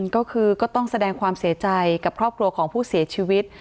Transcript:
ก็คือก็ต้องแสดงความเสียใจกับครอบครัวของผู้เสียชีวิต